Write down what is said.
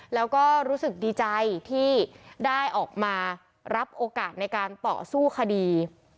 แล้วก็รู้สึกดีใจที่ได้ออกมารับโอกาสในการต่อสู้คดี